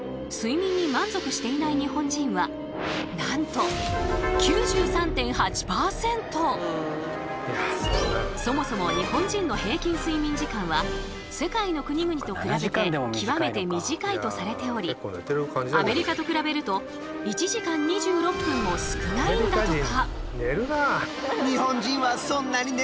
ある調査によるとそもそも日本人の平均睡眠時間は世界の国々と比べて極めて短いとされておりアメリカと比べると１時間２６分も少ないんだとか。